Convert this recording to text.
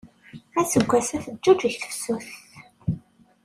Aseggas-a teǧuǧeg tefsut.